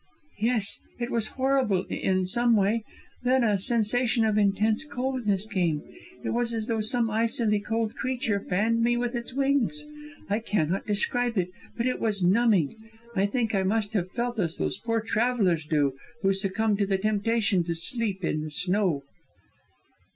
"Yes it was horrible, in some way. Then a sensation of intense coldness came; it was as though some icily cold creature fanned me with its wings! I cannot describe it, but it was numbing; I think I must have felt as those poor travellers do who succumb to the temptation to sleep in the snow."